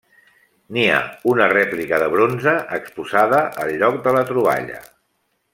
N'hi ha una rèplica de bronze exposada al lloc de la troballa.